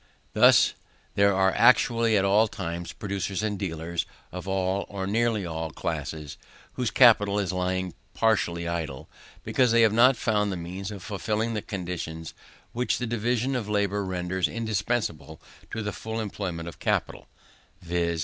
Thus there are actually at all times producers and dealers, of all, or nearly all classes, whose capital is lying partially idle, because they have not found the means of fulfilling the condition which the division of labour renders indispensable to the full employment of capital, viz.